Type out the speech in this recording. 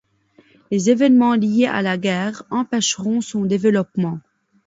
Les événements liés à la guerre empêcheront son développement.